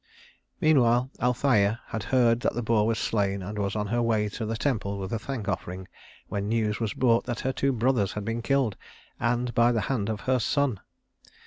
Meanwhile Althæa had heard that the boar was slain, and was on her way to the temple with a thank offering when news was brought her that her two brothers had been killed and by the hand of her son.